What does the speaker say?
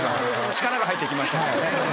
力が入って来ましたもんね。